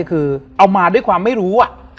เพื่อที่จะให้แก้วเนี่ยหลอกลวงเค